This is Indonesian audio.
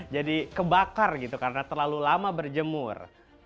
jadi kebakar gitu karena terlalu lama berjemur